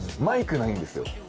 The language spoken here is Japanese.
マイクないんですよ？